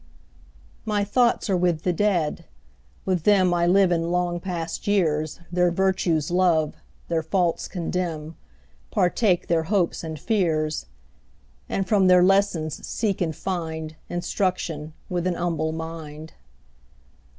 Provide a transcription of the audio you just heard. My thoughts are with the Dead; with them I live in long past years, Their virtues love, their faults condemn, 15 Partake their hopes and fears; And from their lessons seek and find Instruction with an humble mind.